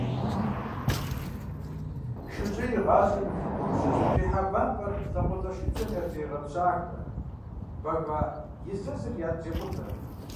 Шужьей и гъащӀэм и гум щызэтрихьа бампӀэр лӀакъуэлӀэшыдзэм ятрегъэпщахэ, бэга и зэзыр ятрекъутэ.